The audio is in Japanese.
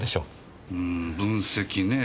うーん分析ねぇ。